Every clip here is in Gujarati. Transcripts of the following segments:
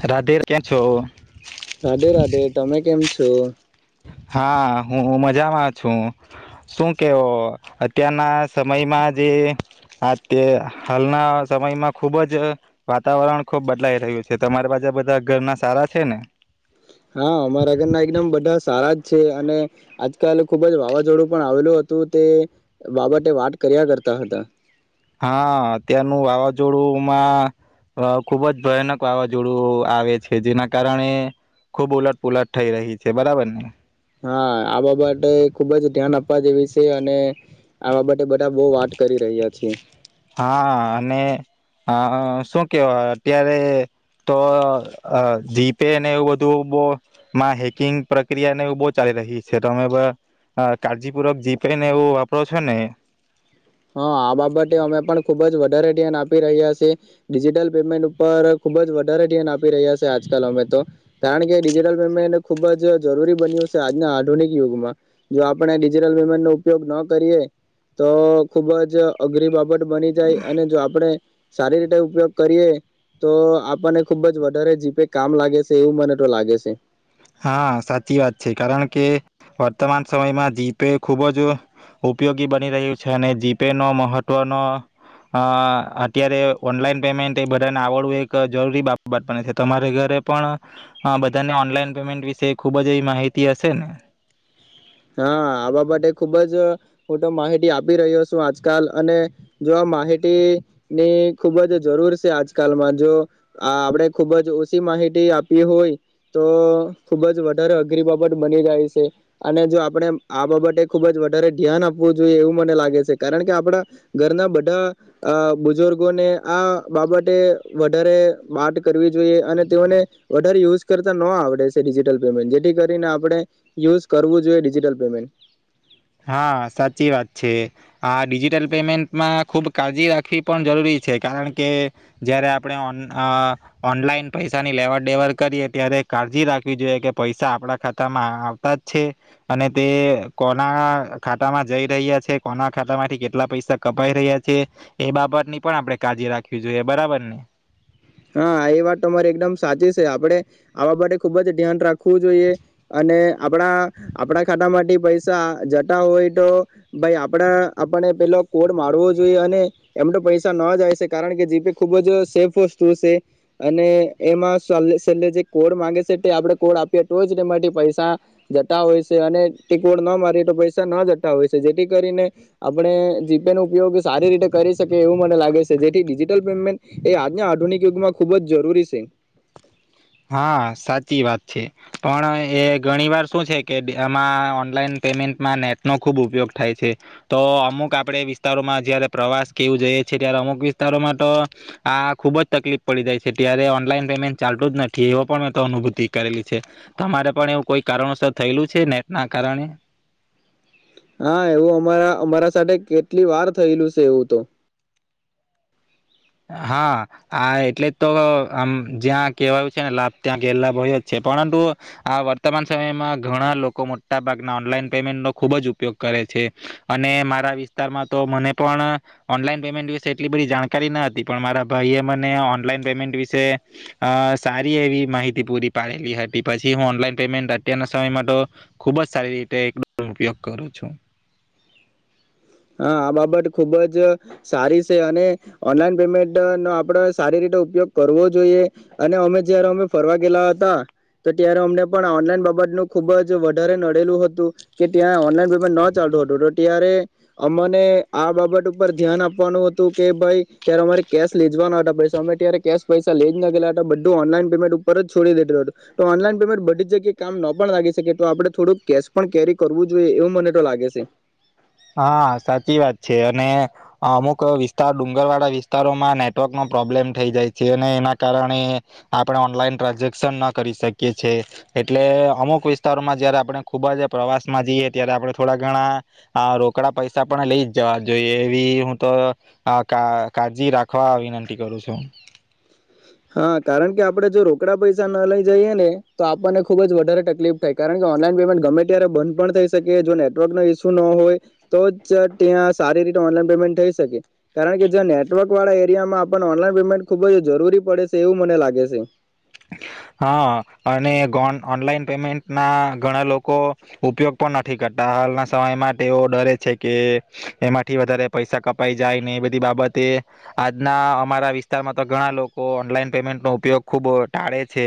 રાધે કેમ છો રાધે રાધે તમે કેમ. છું હા હું મજામાં છું. શું કેવો અત્યારના સમયમાં જે આ તે હાલના સમયમાં ખુબ જ વાતાવરણ ખુબ બદલાઈ રહ્યું છે તમારી પાસેા બધા ઘરના સારા છે ને હા અમારા ઘરના એકદમ બધા સારા જ છે અને આજકાલ ખુબ જ વાવાઝોડું પણ આવેલું હતું તે બાબતે વાત કર્યા કરતા હતા હા અત્યારનું વાવાઝોડુંમાં ખુબ જ ભયાનક વાવાઝોડું આવે છે જેના કારણે ખુબ ઉલટ પુલટ થઈ રહી છે બરાબર ને હા આ બાબતે ખુબ જ ધ્યાન આપવા જેવી છે અને આ બાબતે બધા બહ વાત કરી રહ્યા છીએ હા અને શું કેવા અત્યારે તો જીપે ને એવું બધું બમાં હેકિંગ પ્રક્રિયાને એવ બહ ચાલી રહી છે તમે કાળજીપૂર્વક જીપે ને એવું વાપરો છો ને હા આ બાબતે અમે પણ ખુબ જ વધારે ધ્યાન આપી રહ્યા છીએ ડિજિટલ પેમેન્ટ ઉપર ખુબ જ વધારે ધ્યાન આપી રહ્યા છે આજકાલ અમે તો કારણ કે ડિજિટલ પેમેન્ટ ખુબ જ જરૂરી બન્યું છે આજના આધુનિક યુગમાં જો આપણે ડિજિટલ પેમેન્ટનોો ઉપયોગ ન કરીએ તો ખુબ જ અઘરી બાબત બની જાય અને જો આપણે સારી રીતે ઉપયોગ કરીએ તો આપણને ખુબ જ વધારે જીપે કામ લાગે છે એવું મને તો લાગે છે હા સાચી વાત છે કારણ કે વર્તમાન સમયમાં જીપે ખૂબ જ ઉપયોગી બની રહ્યું છે અને જીપે ન મહત્ત્વનો અ અત્યારે ઓનલાઈન પેમેન્ટ એ બધાને આવડવું એક જરૂરી બાબત બને છે તમારે ઘરે પણ બધાને ઓનલાઈન પેમેન્ટ વિશે ખુબ જ એ માહિતી હશે ને હા આ બાબતે ખુબ જ મોટો માહિતી આપી રહ્યો છું આજકાલ અને જો આ માહિતીની ખુબ જ જરૂર છે આજકાલમાં જો આપણે ખુબ જ ઓછી માહિતી આપી હોય તો ખુબ જ વધારે અઘરી બાબત બની જાય છે અને જો આપણે આ બાબતે ખુબ જ વધારે ધ્યાન આપવું જોઈએ એવું મને લાગે છે કારણ કે આપણા ઘરના બધા બુજુર્ગોને આ બાબતે વધારે વાત કરવી જોઈએ અને તેઓને વધારે યુઝ કરતા ન આવડે છે ડિજિટલ પેમેન્ટ જેથી કરીને આપણે યુઝ કરવું જોઈએ ડિજિટલ પેમેન્ટ હા સાચી વાત છે આ ડિજિટલ પેમેન્ટમાં ખુબ કાળજી રાખવી પણ જરૂરી છે કારણ કે જયારે આપણે ઓન ઓનલાઈન પૈસાની લેવડ દેવડ કરીએ ત્યારે કાળજી રાખવી જોઈએ કે પૈસા આપણા ખાતામાં આવતા જ છે અને તે કો કોના ખાતા માં જઈ રહ્યા છે, કોના ખાતા માંથી કેટલા પૈસા કપાઈ રહ્યા છે, એ બાબત ની પણ આપડે કાળજી રાખવી જોઈએ. બરાબર ને? હા, એ વાત તમારી એકદમ સાચી છે. આપણે આવા માટે ખુબ જ ધ્યાન રાખવું જોઈએ. અને આપણા આપણા ખાતામાંથી પૈસા જતા હોય, તો ભાઈ, આપણા આપને પેલો કોડ મારવો જોઈએ. અને એમ તો પૈસા ન જાયશે, કારણ કે જીપે ખૂબ જ સેફ. અને એમાં સામે થી જે કોડ માંગે છે, તે આપણે કોડ આપીએ તો હોય જ તેમાંથી પૈસા જતા હોય છે. અને તે કોડ ન મારીએ, તો પૈસા ન જતા હોય છે. જેથી કરીને આપણે જીપે નો ઉપયોગ સારી રીતે કરી શકીએ, એવું મને લાગે છે. જેથી ડિજિટલ પેમેન્ટ એ આજના. આધુનિક યુગમાં ખુબ જ જરૂરી છે! હા, સાચી વાત. છે, પણ એ ઘણી વાર શું છે કે આમાં ઓનલાઈન પેમેન્ટમાં નેટ નો ખુબ ઉપયોગ થાય છે. તો અમુક આપડા વિસ્તારોમાં, જયારે પ્રવાસ કેવું જઈએ છીએ, ત્યારે અમુક વિસ્તારોમાં તો આ ખુબ જ તકલીફ પડી જાય છે. ત્યારે ઓનલાઈન પેમેન્ટ ચાલતું જ નથી. એવ પણ મેં તો અનુભૂતિ કરેલી છે. તમારે પણ એવું કોઈ કારણોસર થયેલું છે, નેટ ના કારણે? હા, એવું અમારા અમારા સાથે કેટલી વાર થયેલું છે. એવું તો. હા, આ એટલે તો આમ જ્યાં કહેવાયું છે ને લાભ ત્યાં ગેલા લાભ હોય જ છે. પરંતુ આ વર્તમાન સમયમાં ઘણા લોકો મોટા ભાગના ઓનલાઈન પેમેન્ટનો ખુબ જ ઉપયોગ કરે છે, અને મારા વિસ્તારમાં તો મને પણ ઓનલાઈન પેમેન્ટ વિષે એટલી બધી જાણકારી ના. પણ મારા ભાઈ એ મને ઓનલાઈન પેમેન્ટ વિશે અ સારી એવી માહિતી પૂરી પાડેલી હતી. પછી હું ઓનલાઈન પેમેન્ટ અત્યારના સમય માટે ખુબ જ સારી રીતે એક ઉપયોગ કરું છું. હા, આ બાબત ખુબ જ સારી છે, અને ઓનલાઈન પેમેન્ટ ન આપડે સારી રીતે ઉપયોગ કરવો જોઈએ. અને અમે જયારે અમે ફરવા ગેલા હતા, તો ત્યારે અમને પણ ઓનલાઈન બાબત નું ખુબ જ વધારે નડેલું હતું કે ત્યાં ઓનલાઈન પેમેન્ટ ન ચાલતું હતું તો. ત્યારે. અમને આ બાબત ઉપર ધ્યાન આપવાનું હતું કે ભાઈ, ત્યારે અમારે કેશ લે જવાના હતા, પણ અમે ત્યારે કેશ પૈસા લઈ જ નાખેલા હતા બધું ઓનલાઈન પેમેન્ટ ઉપર જ છોડી દેધેલું હતું. તો ઓનલાઈન પેમેન્ટ બધી જ જગ્યાએ કામ ન પણ લાગી શકે, તો આપણે થોડુંક કેશ પણ કેરી કરવું જોઈએ, એવું મને તો લાગે છે. હા, સાચી વાત છે. અને અમુક વિસ્તાર ડુંગર વાળા વિસ્તારોમાં નેટવર્કનો પ્રોબ્લેમ થઈ જાય છે, અને એના કારણે આપણે ઓનલાઈન ટ્રાન્ઝેક્શન ન કરી શકીએ છીએ. એટલે અમુક વિસ્તારોમાં જયારે આપણે ખુબ જ પ્રવાસમાં જઈએ. ત્યારે આપણે થોડા ઘણા આ રોકડા પૈસા પણ લઈ જ જવા જોઈએ, એવી હું તો કાળજી રાખવા વિનંતી કરું છું. હા, કારણ કે આપડે જો રોકડા પૈસા ન લઈ જઈએ ને તો આપણને ખુબ જ વધારે તકલીફ થાય. કારણ કે ઓનલાઈન પેમેન્ટ ગમે ત્યારે બંધ પણ થઈ શકે. જો નેટવર્ક ન ઇસ્યુ ન હોય તો જ ત્યાં સારી રીતે ઓનલાઈન પેમેન્ટ થઈ શકે. કારણ કે, જ્યાં નેટવર્ક વાળા એરિયામાં આપણને ઓનલાઈન પેમેન્ટ ખુબ જ જરૂરી. પડે છે, એવું મને લાગે છે. હા, અને ઓનલાઈન પેમેન્ટ ના ઘણા લોકો ઉપયોગ પણ નથી કરતા. હાલના સમય માટે ઓ ડરે છે કે એમાંથી વધારે પૈસા કપાઈ જાય. ને એ બધી બાબતે આજના અમારા વિસ્તારમાં તો ઘણા લોકો ઓનલાઈન પેમેન્ટનો ઉપયોગ ખૂબ ટાળે છે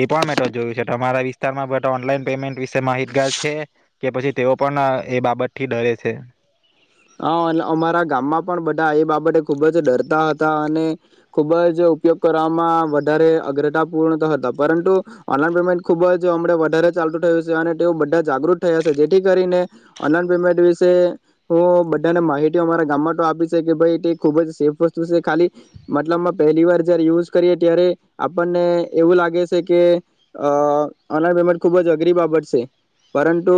એ પણ મે તો જોયું છે. તમારા વિસ્તારમાં બધા ઓનલાઈન પેમેન્ટ વિશે માહિતગાર છે કે પછી તેઓ પણ એ બાબતથી ડરે છે? હા અમારા ગામમાં પણ બધા એ બાબતે ખુબ જ ડરતા હતા. અને ખુબ જ ઉપયોગ કરવામાં વધારે અગ્રતા પૂર્ણ હતા. પરંતુ ઓનલાઈન પેમેન્ટ ખુબ જ હમ વધારે ચાલતુ થયું છે અને તેઓ બધા જાગૃત થયા છે જેથી કરીને ઓનલાઈન પેમેન્ટ વિશે હું બધાને માહિતી અમારા ગામમાં તો આપી છે કે ભાઈ, તે ખૂબ જ સેફ વસ્તુ છે. ખાલી મતલબમાં પહેલી વાર જ્યારે યુઝ કરીએ ત્યારે આપણને એવું લાગે છે કે ઓનલાઈન પેમેન્ટ ખૂબ જ અઘરી બાબત છે, પરંતુ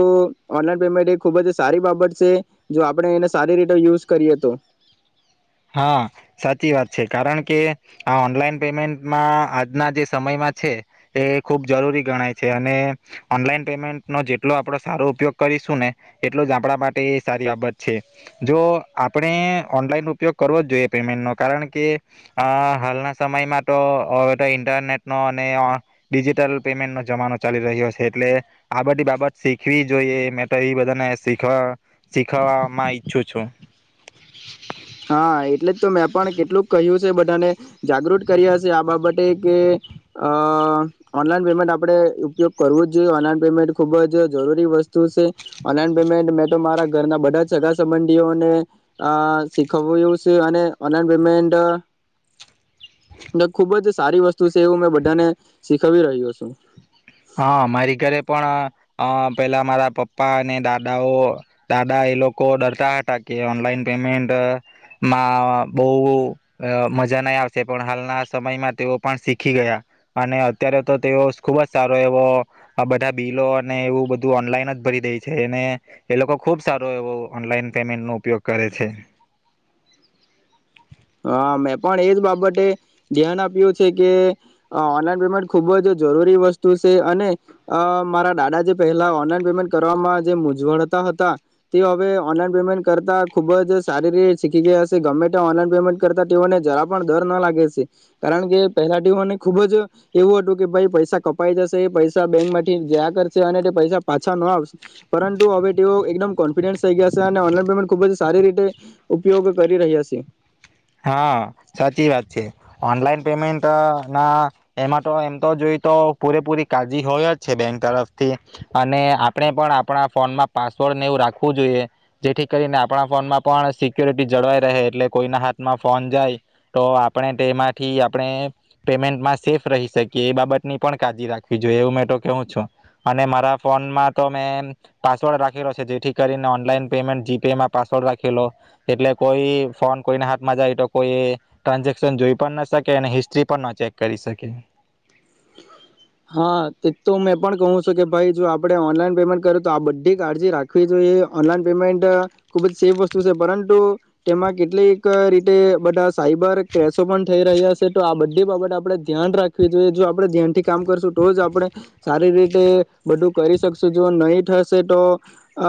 ઓનલાઈન પેમેન્ટ એ ખૂબ જ સારી બાબત છે. જો આપણે એને સારી રીતે યુઝ કરીએ તો. હા, સાચી વાત છે. કારણ કે આ ઓનલાઈન પેમેન્ટમાં આજના જે સમયમાં છે એ ખૂબ જરૂરી ગણાય છે. અને ઓનલાઈન પેમેન્ટનો જેટલો આપણો સારો ઉપયોગ કરીશું, ને એટલો જ આપણા માટે એ સારી બાબત છે. જો આપણે ઓનલાઈન. ઉપયોગ કરવો જ જોઈએ પેમેન્ટનો, કારણ કે અ હાલના સમયમાં તો હવે તો ઇન્ટરનેટ નો અને ડિજિટલ પેમેન્ટ નો જમાનો ચાલી રહ્યો છે. એટલે આ બધી બાબત શીખવી જોઈએ. મેં તો એ બધાને શીખ શીખવામાં ઈચ્છું છું. હા, એટલે જ તો મેં પણ કેટલુંક કહ્યું છે. બધાને જાગૃત કર્યા છે આ બાબતે કે ઓનલાઈન પેમેન્ટ આપણે ઉપયોગ કરવો જ જોઈએ. ઓનલાઈન પેમેન્ટ ખૂબ જ જરૂરી વસ્તુ છે. ઓનલાઈન પેમેન્ટ મેં તો મારા ઘરના બધા જ સગા- સંબંધીઓને. શીખવ્યું છે અને ઓનલાઈન પેમેન્ટ ખુબ જ સારી વસ્તુ છે, એવું મે બધાને શીખવી રહ્યો છું. હા, મારી ઘરે પણ અ પેલા મારા પપ્પા અને દાદાઓ દાદી એ લોકો ડરતા હતા કે ઓનલાઈન પેમેન્ટમાં બહુ મજા નહીં આવશે. પણ હાલના સમયમાં તેઓ પણ શીખી ગયા અને અત્યારે તો તેઓ ખુબ જ. સારો એવો આ બધા બિલો અને એવું બધું ઓનલાઈન જ ભરી દે છે અને એ લોકો ખુબ સારો એવો ઓનલાઈન પેમેન્ટ નો ઉપયોગ કરે છે. હા, મેં પણ એજ બાબતે ધ્યાન આપ્યું છે કે ઓનલાઈન પેમેન્ટ ખુબ જ જરૂરી વસ્તુ છે. અને મારા દાદા, જે પહેલા ઓનલાઈન પેમેન્ટ કરવામાં જે મૂઝવળતા હતા, તે હવે ઓનલાઈન પેમેન્ટ કરતા ખુબ જ સારી રીતે શીખી ગયા હશે. ગમે તે ઓનલાઈન. કરતાને જરા પણ ડર ના લાગે છે. કારણ કે પહેલા ટીઓને ખુબ જ એવું હતું કે પૈસા કપાઈ જશે પૈસા બેંક માંથી જયા કરશે અને પૈસા પાછા ન આવશે. પરંતુ હવે તેઓ એકદમ કોન્ફિડન્સ થઈ ગયા છે અને ઓનલાઈન પેમેન્ટ ખુબ જ સારી રીતે ઉપયોગ કરી રહ્યા છે. હા, સાચી વાત છે. ઓનલાઈન પેમેન્ટ ના એમાં તો એમ તો જોઈ તો પૂરેપૂરી કાળજી હોય જ છે બેંક તરફથી અને આપણે પણ આપણા ફોનમાં પાસવર્ડને એવું રાખવું જોઈએ જેથી કરીને આપણા ફોનમાં પણ સિક્યોરિટી જળવાઈ રહે. એટલે કોઈના હાથ. ફોન જાય તો આપણે તેમાંથી આપણે પેમેન્ટમાં સેફ રહી શકીએ એ બાબતની પણ કાજી રાખવી જોઈએ એવું મેં તો કે છું. અને મારા ફોનમાં તો મેં પાસવર્ડ રાખેલો છે, જેથી કરીને ઓનલાઈન પેમેન્ટ જીપેમાં પાસવર્ડ રાખેલો એટલે કોઈ ફોન કોઈને. મજા એ તો કોઈ ટ્રાન્ઝેક્શન જોઈ પણ ના શકે અને હિસ્ટ્રી પણ ના ચેક કરી શકે. હા, તો મેં પણ કહું છું કે ભાઈ, જો આપણે ઓનલાઈન પેમેન્ટ કર્યું તો આ બધી કાળજી રાખવી જોઈએ. ઓનલાઈન પેમેન્ટ ખુબ જ સેફ વસ્તુ છે, પરંતુ તેમાં કેટલીક રીતે બધા સાઈબર ક્રાઇમ પણ થઈ રહ્યા છે, તો આ બધી બાબત આપણે ધ્યાન રાખવી જોઈએ. જો આપણે ધ્યાન થી કામ કરશું તો જ આપણે સારી રીતે બધું કરી શકશું. જો નહીં થશે તો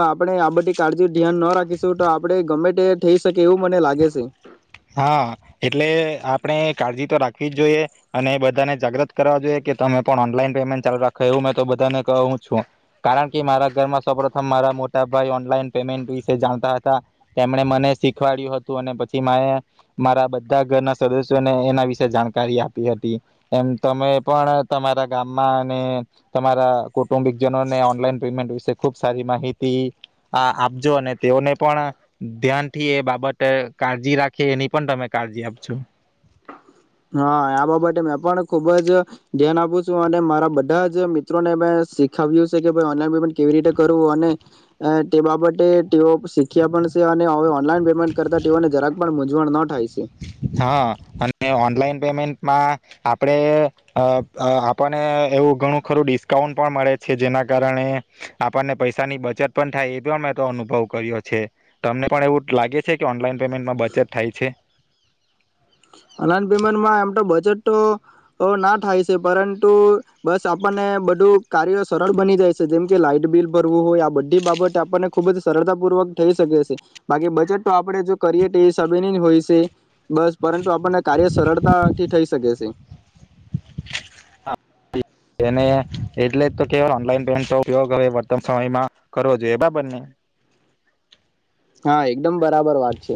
આપણે આ બધી કાળજી ધ્યાન ના રાખીશું, તો આપણે ગમે તે થઈ શકે એવું મને લાગે છે. હા, એટલે આપણે કાળજી તો રાખવી જ જોઈએ અને બધાને જાગ્રત કરવા જોઈએ કે તમે પણ ઓનલાઈન પેમેન્ટ ચાલુ રાખો એવું મેં તો બધાને કહું છું. કારણ કે મારા ઘરમાં સૌ પ્રથમ મારા મોટા ભાઈ ઓનલાઈન પેમેન્ટ વિશે જાણતા હતા. તેમણે મને શીખવાડ્યું હતું અને પછી મા મારા બધા ઘરના સદસ્યોને એના વિશે જાણકારી આપી હતી. એમ તમે પણ તમારા ગામમાં અને તમારા કુટુંબ જનોને ઓનલાઈન પેમેન્ટ વિશે ખુબ સારી માહિતી આપજો અને તેઓને પણ ધ્યાનથી એ બાબત કાળજી રાખે. કે એની પણ તમે કાળજી આપ છો. હા, આ બાબતે મેં પણ ખુબ જ ધ્યાન આપું છું અને મારા બધા જ મિત્રોને મે શીખાવ્યું છે કે ઓનલાઇન પેમેન્ટ કેવી રીતે કરવું. અને તે બાબતે તેઓ શીખ્યા પણ છે અને ઓનલાઈન પેમેન્ટ કરતા તેઓ ને જરાક પણ પણ ન થાય છે. હા, અને ઓનલાઈન પેમેન્ટમાં આપણે આપણને એવું ઘણું ખરું ડિસ્કાઉન્ટ પણ મળે છે, જેના કારણે આપણને પૈસાની બચત પણ થાય. એ પણ મેં તો અનુભવ કર્યો છે. તમને પણ એવું લાગે છે કે ઓનલાઈન પેમેન્ટમાં બચત થાય છે? ઓનલાઈન પેમેન્ટમાં એમ તો બજેટ તો ના થાય છે. પરંતુ બસ આપણને બધું કાર્ય સરળ બની જાય છે. જેમ કે લાાઈટ બિલ ભરવું હોય આ બધી બાબત આપણને ખુબ જ સરળતા પૂર્વક થઈ શકે છે. બાકી બજે તો આપડે જો કરીએ તો હસાબેની જ હોય છે, બસ. તો આપણને કાર્ય સરળતાથી થઈ શકે છે. એ એટલે તો કે ઓનલાઈન પેમેન્ટ ન ઉપયોગ હવે વર્તન સમયમાં કરવો જોઈએ, બરાબર ને? હા, એકદમ બરાબર વાત છે.